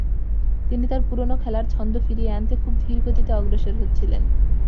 তিনি তার পুরনো খেলার ছন্দ ফিরিয়ে আনতে খুব ধীরগতিতে অগ্রসর হচ্ছিলেন।